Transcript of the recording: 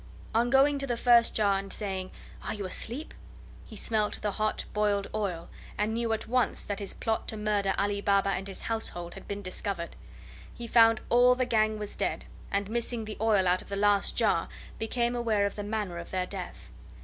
On going to the first jar and saying, "Are you asleep?" he smelt the hot boiled oil, and knew at once that his plot to murder Ali Baba and his household had been discovered. He found all the gang was dead, and, missing the oil out of the last jar, became aware of the manner of their death.